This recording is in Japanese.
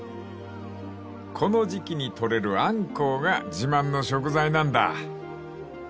［この時季に取れるアンコウが自慢の食材なんだ］